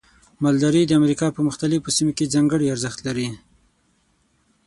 مالداري د امریکا په مختلفو سیمو کې ځانګړي ارزښت لري.